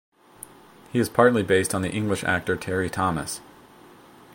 He is partly based on the English actor Terry-Thomas.